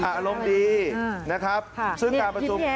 อารมณ์ดีนะครับซึ่งการประชุม